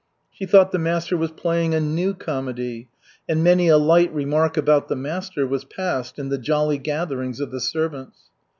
She thought the master was playing "a new comedy," and many a light remark about the master was passed in the jolly gatherings of the servants.